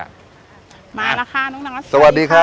มาล่ะค่ะนุ๊กน้องสวัสดีค่ะ